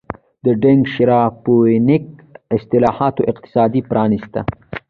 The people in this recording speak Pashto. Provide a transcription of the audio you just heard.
د ډینګ شیاوپینګ اصلاحاتو اقتصاد پرانیسته.